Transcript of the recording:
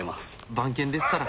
番犬ですから。